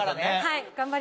はい。